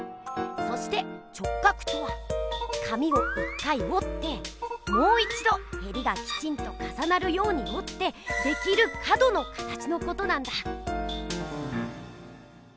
そして「直角」とは紙を１回おってもう一どへりがきちんとかさなるようにおってできる角の形のことなんだ。